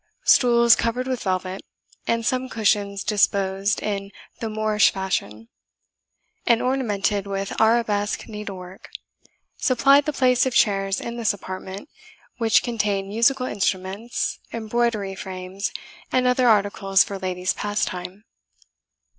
Stools covered with velvet, and some cushions disposed in the Moorish fashion, and ornamented with Arabesque needle work, supplied the place of chairs in this apartment, which contained musical instruments, embroidery frames, and other articles for ladies' pastime.